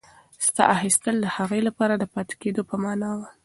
ساه اخیستل د هغې لپاره د پاتې کېدو په مانا وه.